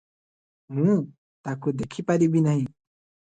ମୁଁ ତାକୁ ଦେଖିପାରିବି ନାହିଁ ।